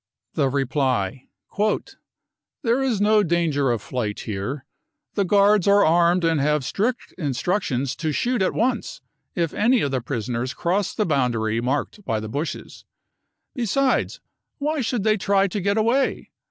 The reply : 44 There is no danger of flight here. The guards are armed and have strict instructions to shoot at once if any of the prisoners cross the boundary marked by the bushes. Besides, why should they try to get away